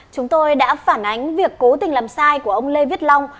chúng tôi đã phản ánh việc cố tình làm sai của ông lê viết long